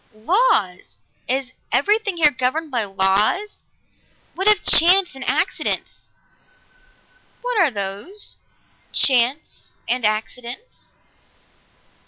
"Laws! Is everything here governed by laws? What of chance and accidents?" "What are those chance and accidents?"